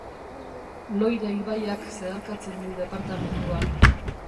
Loira ibaiak zeharkatzen du departamendua.